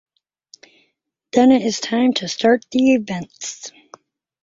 Then it is time to start the events.